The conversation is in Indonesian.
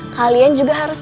kalian juga harus